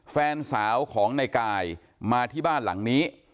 แฟนสาวของในกายมาที่บ้านหลังนี้